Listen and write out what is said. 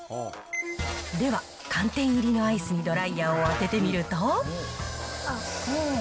では、寒天入りのアイスにドライヤーを当ててみると。